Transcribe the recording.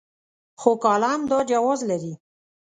خو کالم دا جواز لري.